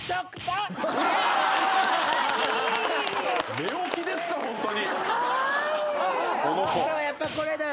寝起きですか⁉ホントに！